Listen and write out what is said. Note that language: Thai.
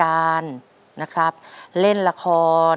ใช่นักร้องบ้านนอก